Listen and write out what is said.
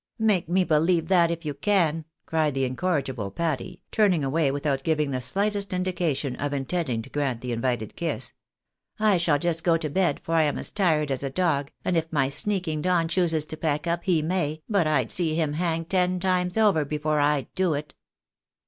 " Make me believe that, if you can," cried the incorrigible Patty, turning away without giving the shghtest indication of intending to grant the invited kiss. " I shaU just go to bed, for I am as tired as a dog, and if my sneaking Don chooses to pack up he may, but I'd see him hanged ten times before I'd do it."